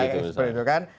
seperti itu kan